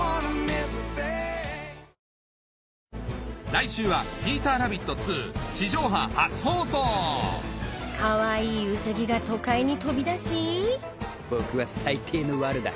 来週は『ピーターラビット２』地上波初放送かわいいウサギが都会に飛び出し僕は最低のワルだ。